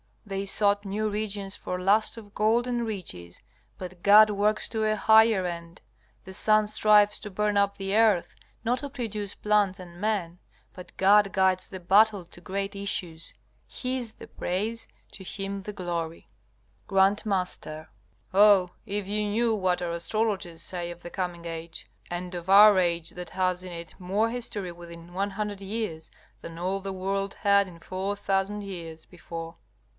They sought new regions for lust of gold and riches, but God works to a higher end. The sun strives to burn up the earth, not to produce plants and men, but God guides the battle to great issues. His the praise, to Him the glory! G.M. Oh, if you knew what our astrologers say of the coming age, and of our age, that has in it more history within 100 years than all the world had in 4,000 years before!